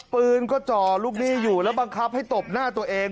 ปืนก็จ่อลูกหนี้อยู่แล้วบังคับให้ตบหน้าตัวเอง